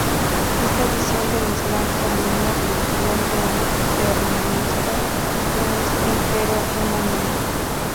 Esta visión del islam como una religión determinista no es, empero, unánime.